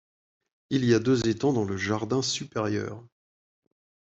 Il y a deux étangs dans le jardin supérieur.